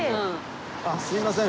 あっすみません。